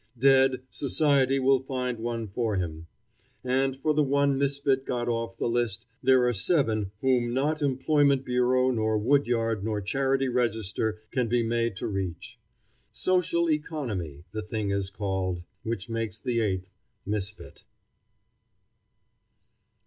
Dead, society will find one for him. And for the one misfit got off the list there are seven whom not employment bureau nor woodyard nor charity register can be made to reach. Social economy the thing is called; which makes the eighth misfit.